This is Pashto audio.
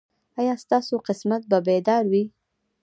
ایا ستاسو قسمت به بیدار وي؟